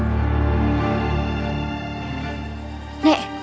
ya kita liat nek